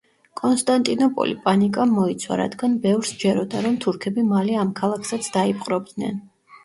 კონსტანტინოპოლი პანიკამ მოიცვა, რადგან ბევრს სჯეროდა, რომ თურქები მალე ამ ქალაქსაც დაიპყრობდნენ.